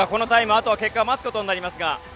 あとは結果を待つことになりますが。